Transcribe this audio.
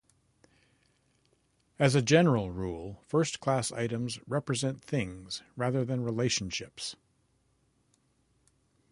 As a general rule, first class items represent things rather than relationships.